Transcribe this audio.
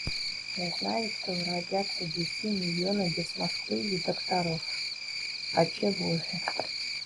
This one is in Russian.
Я знаю, что родятся детей миллионы без Москвы и докторов... отчего же...